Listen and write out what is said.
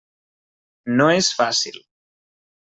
No és fàcil.